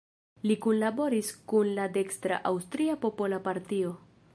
Li kunlaboris kun la dekstra Aŭstria Popola Partio.